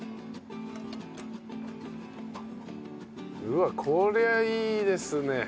うわっこりゃいいですね。